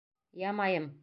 Ямайым.